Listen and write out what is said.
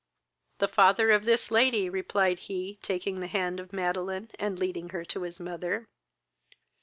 "The father of this lady, (replied he, taking the hand of Madeline, and leading her to his mother.)